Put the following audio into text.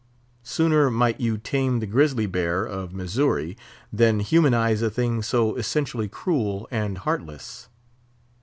Sooner might you tame the grizzly bear of Missouri than humanise a thing so essentially cruel and heartless.